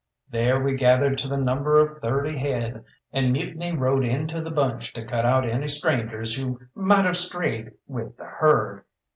There we gathered to the number of thirty head, and Mutiny rode into the bunch to cut out any strangers who might have strayed with the herd.